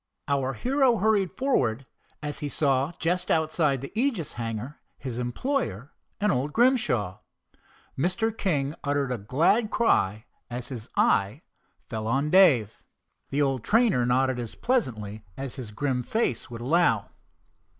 Our hero hurried forward as he saw just outside the Aegis hangar his employer and old Grimshaw. Mr. King uttered a glad cry as his eye fell on Dave. The old trainer nodded as pleasantly as his grim face would allow.